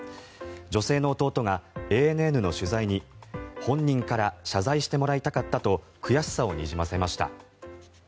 女性の弟がＡＮＮの取材に本人から謝罪してもらいたかったと悔しさをにじませました。